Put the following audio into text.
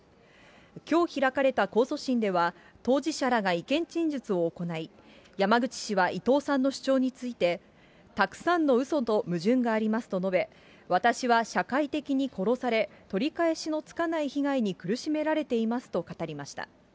きょう開かれた控訴審では、当事者らが意見陳述を行い、山口氏は伊藤さんの主張について、たくさんのうそと矛盾がありますと述べ、私は社会的に殺され、取り返しのつかない被害に苦しめられていますと語りました。